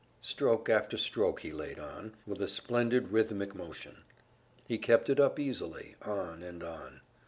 Stroke after stroke he laid on, with a splendid rhythmic motion; he kept it up easily, on and on.